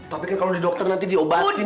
tapi kan kalau di dokter nanti diobatin